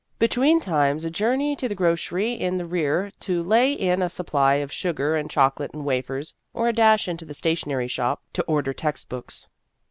Between times a journey to the grocery in the rear to lay in a supply of sugar and chocolate and wafers, or a dash into the stationery shop to order text books.